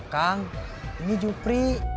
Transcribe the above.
kang ini jupri